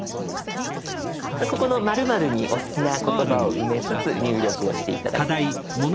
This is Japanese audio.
ここの「○○」にお好きな言葉を埋めつつ入力をして頂きたいと思います。